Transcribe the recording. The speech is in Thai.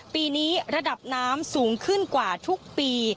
ปีนี้ระดับน้ำสูงขึ้นกว่าทุกปี